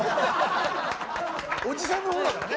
おじさんの方だからね。